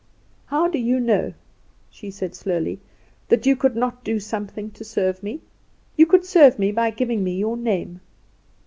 "How do you know," she said slowly, "that you could not do something to serve me? You could serve me by giving me your name."